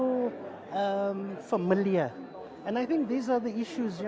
dan saya pikir inilah masalahnya